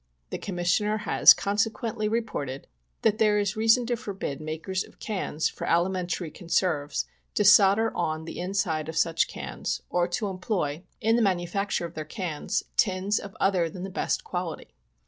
The Commissioner has, consequently, reported that there is reason to forbid makers of cans for alimentary conserves to solder on the in side of such cans, or to employ, in the manufacture of their cans, tins of other than the best quality.